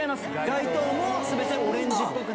街灯も全てオレンジっぽく。